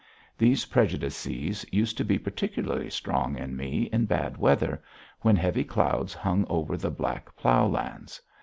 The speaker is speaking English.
These prejudices used to be particularly strong in me in bad weather, when heavy clouds hung over the black plough lands.